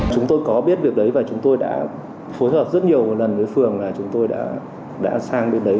chúng tôi có biết việc đấy và chúng tôi đã phối hợp rất nhiều lần với phường là chúng tôi đã sang bên đấy